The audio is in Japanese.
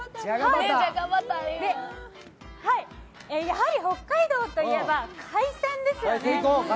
やはり北海道といえば海鮮ですよね。